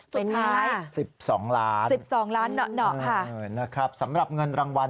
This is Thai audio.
สุดท้าย๑๒ล้าน๑๒ล้านหน่อค่ะนะครับสำหรับเงินรางวัล